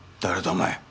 お前。